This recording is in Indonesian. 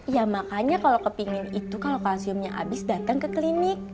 ya makanya kalo kepingin itu kalo kalsiumnya abis dateng ke klinik